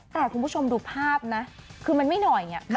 แต่คุณผู้ชมดูภาพนะคือมันไม่หน่อย